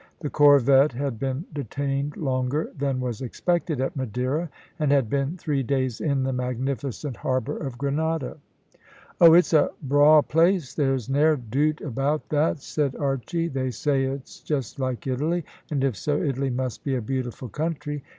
The corvette had been detained longer than was expected at Madeira, and had been three days in the magnificent harbour of Grenada. "Oh, it's a braw place, there's ne'er doot about that," said Archy. "They say it's just like Italy, and if so, Italy must be a beautiful country.